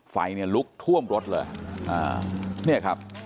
ไฟลุกท่วมรถเลยนี่ครับ